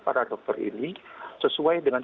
para dokter ini sesuai dengan